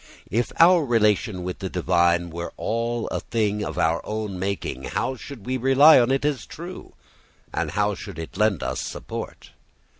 If our relation with the divine were all a thing of our own making, how should we rely on it as true, and how should it lend us support?